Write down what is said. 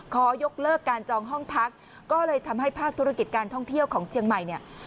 ขอยกเลิกการจองห้องพักก็เลยทำให้ภาคธุรกิจการท่องเที่ยวของเชียงใหม่เนี่ย